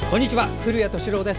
古谷敏郎です。